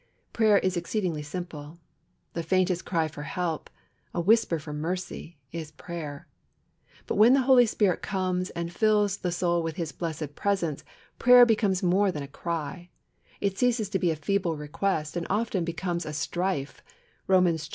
Prayer is exceedingly simple. The faintest cry for help, a whisper for mercy, is prayer. But when the Holy Spirit comes and fills the soul with His blessed presence, prayer becomes more than a cry; it ceases to be a feeble request, and often becomes a strife (Romans xv.